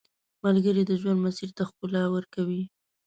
ملګری د ژوند مسیر ته ښکلا ورکوي